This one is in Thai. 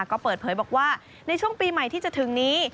ก็เปิดเผยบอกว่าในช่วงปีใหม่ที่จะถึงนี้